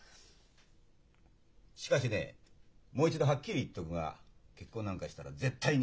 しかしねもう一度はっきり言っておくが結婚なんかしたら絶対に要らんぞ。